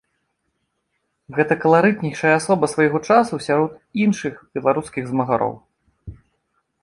Гэта каларытнейшая асоба свайго часу сярод іншых беларускіх змагароў.